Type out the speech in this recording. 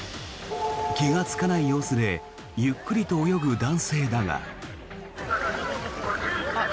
気がつかない様子でゆっくりと泳ぐ男性だが。